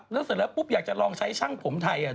แล้วเสร็จแล้วปุ๊บอยากจะลองใช้ช่างผมไทย